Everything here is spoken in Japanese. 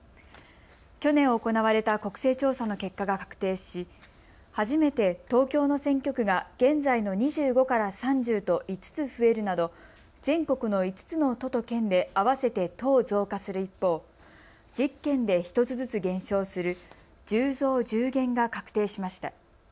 去年、行われた国勢調査の結果が確定し初めて東京の選挙区が現在の２５から３０と５つ増えるなど全国の５つの都と県で合わせて１０増加する一方、１０県で１つずつ減少する１０増１０減が確定しました。